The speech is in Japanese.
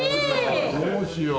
どうしよう。